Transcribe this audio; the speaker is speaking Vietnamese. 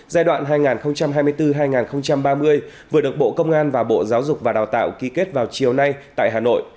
giai đoạn hai nghìn hai mươi bốn hai nghìn ba mươi vừa được bộ công an và bộ giáo dục và đào tạo ký kết vào chiều nay tại hà nội